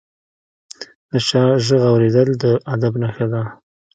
د چا ږغ اورېدل د ادب نښه ده.